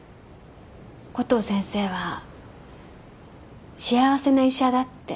コトー先生は幸せな医者だって。